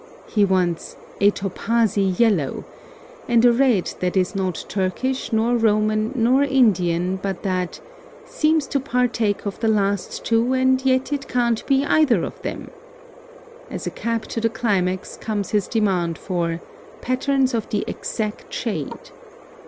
He wants "a topazy yellow" and a red that is not Turkish nor Roman nor Indian, but that "seems to partake of the last two, and yet it can't be either of them." As a cap to the climax comes his demand for "patterns of the exact shade."